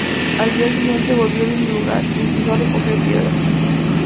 Al día siguiente volvió al mismo lugar y empezó a recoger piedras.